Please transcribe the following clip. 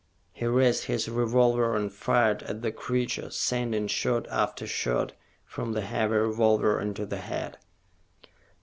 He raised his revolver and fired at the creature, sending shot after shot from the heavy revolver into the head.